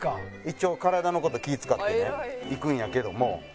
一応体の事気ぃ使ってねいくんやけども。